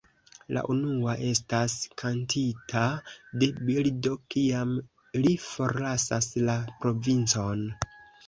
La unua estas kantita de Bildo kiam li forlasas La Provincon.